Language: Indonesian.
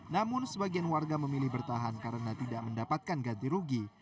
namun sebagian warga memilih bertahan karena tidak mendapatkan ganti rugi